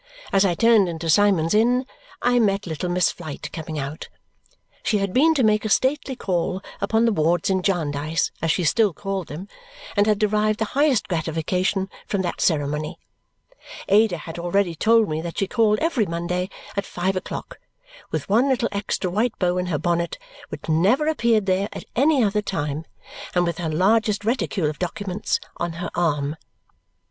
As I turned into Symond's Inn, I met little Miss Flite coming out. She had been to make a stately call upon the wards in Jarndyce, as she still called them, and had derived the highest gratification from that ceremony. Ada had already told me that she called every Monday at five o'clock, with one little extra white bow in her bonnet, which never appeared there at any other time, and with her largest reticule of documents on her arm.